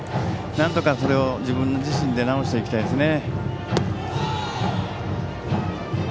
なんとか、それを自分自身で直していきたいですね。